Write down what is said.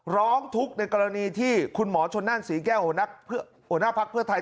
ร้องทุกข์ในกรณีที่คุณหมอชนนั่นศรีแก้วหัวหน้าภักดิ์เพื่อไทย